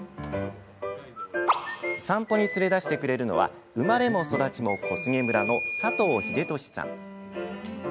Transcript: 散歩に連れ出してくれるのは生まれも育ちも小菅村の佐藤英敏さん。